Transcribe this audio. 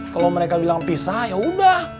kalau mereka bilang pisah yaudah